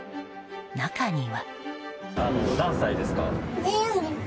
中には。